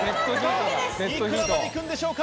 いくらまで行くんでしょうか。